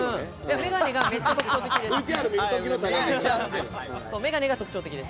眼鏡がめっちゃ特徴的です。